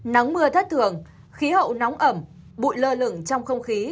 nắng mưa thất thường khí hậu nóng ẩm bụi lơ lửng trong không khí